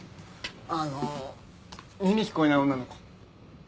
あの耳聞こえない女の子。